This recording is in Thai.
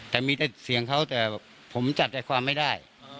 แต่มีแต่เสียงเขาแต่ผมจับใจความไม่ได้